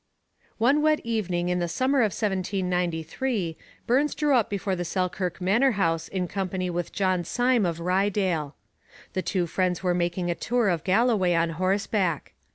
One wet evening in the summer of 1793 Burns drew up before the Selkirk manor house in company with John Syme of Ryedale. The two friends were making a tour of Galloway on horseback.